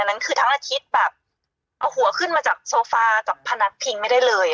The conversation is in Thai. นั้นคือทั้งอาทิตย์แบบเอาหัวขึ้นมาจากโซฟากับพนักพิงไม่ได้เลย